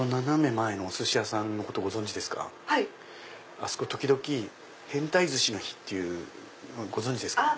あそこ時々変タイ鮨の日ってご存じですか？